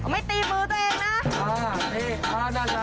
ตีมือตัวเองนะ